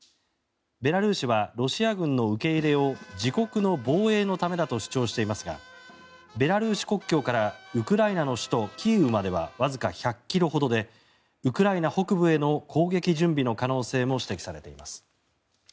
ベラルーシはロシア軍の受け入れを自国の防衛のためだと主張していますがベラルーシ国境からウクライナの首都キーウまではわずか１００ｋｍほどでウクライナ北部への攻撃準備の可能性も指摘されています。